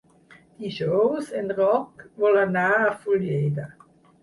Dijous en Roc vol anar a Fulleda.